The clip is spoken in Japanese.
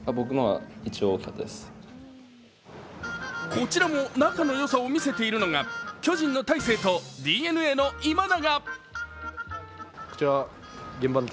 こちらも仲の良さを見せているのが巨人の大勢とＤｅＮＡの今永。